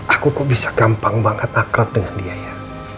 aku kok bisa gampang banget akrab dengan dia ya